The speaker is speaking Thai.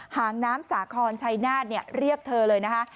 หางน้ำสาขนชัยมาดเนี่ยเรียกเธอเลยนะคะ